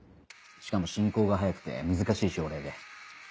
しかも進行が早くて難しい症例で。